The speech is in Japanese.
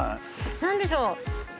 何でしょう？